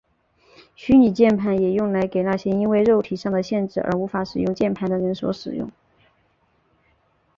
虚拟键盘也用来给那些因为肉体上的限制而无法使用键盘的人所使用。